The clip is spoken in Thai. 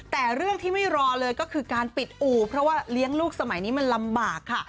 แต่เรื่องที่ไม่รอเลยก็คือการปิดอู่เพราะว่าเลี้ยงลูกสมัยนี้มันลำบากค่ะ